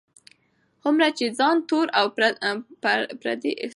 هومره یې ځان تور او پردی احساساوه.